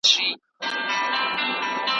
تولید د موادو ارزښت زیاتوي.